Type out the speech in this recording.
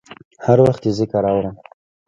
هر وخت یې ذکر اورم